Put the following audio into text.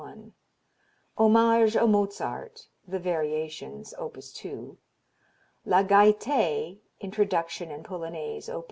1; Hommage a Mozart, the Variations, op. 2; La Gaite, Introduction and Polonaise, op.